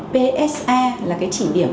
psa là cái chỉ điểm